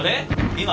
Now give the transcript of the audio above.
今？